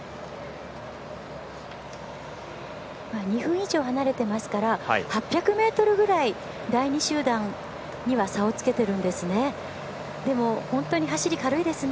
２分以上離れてますから８００ｍぐらい第２集団には差をつけているんですね。